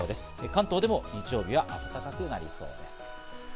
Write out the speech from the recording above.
関東でも日曜日はあったかくなりそうです。